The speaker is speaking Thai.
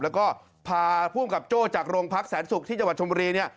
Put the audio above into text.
แล้วก็พาภูมิกับโจ้จากโรงพักแสนศุกร์ที่จังหวัดชมบุรีเนี่ย